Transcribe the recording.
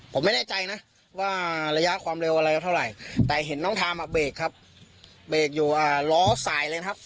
ผมไม่แน่ใจนะว่าระยะความเร็วอะไรก็เท่าไหร่แต่เห็นน้องทามอ่ะเบรกครับเบรกอยู่ล้อสายเลยนะครับ